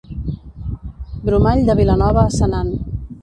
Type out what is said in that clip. Bromall de Vilanova a Senan.